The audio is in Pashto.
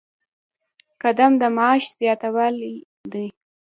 قدم د معاش زیاتوالی دی